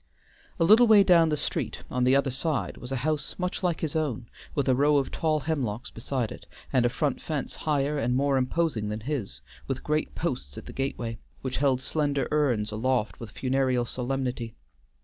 A little way down the street on the other side was a house much like his own, with a row of tall hemlocks beside it, and a front fence higher and more imposing than his, with great posts at the gateway, which held slender urns aloft with funereal solemnity.